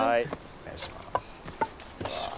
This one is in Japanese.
お願いします。